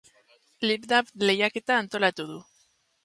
Lipdub lehiaketa antolatu du.